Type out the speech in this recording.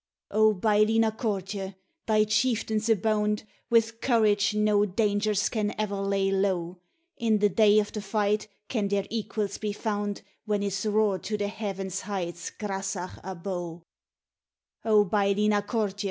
O, Baillie Na Cortie! thy chieftains abound With courage no dangers can ever lay low; In the day of the fight can their equals be found, When is roared to the heaven's heights Grasach Abo? O, Baillie Na Cortie!